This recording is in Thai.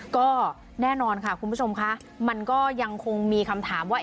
ก็แน่นอนค่ะคุณผู้ชมค่ะมันก็ยังคงมีคำถามว่า